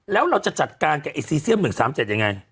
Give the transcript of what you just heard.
แล้วเราจะจัดการกับไอ้ซีเซียม๑๓๗ยังไง